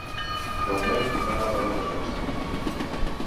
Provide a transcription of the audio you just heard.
De moment, no n’han rebut resposta.